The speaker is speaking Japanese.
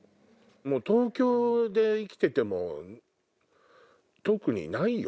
東京で生きてても特にないよ